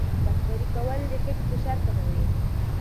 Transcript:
باد پرې کول د خېټې فشار کموي.